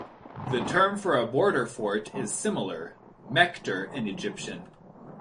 The term for a border fort is similar, "mekter", in Egyptian.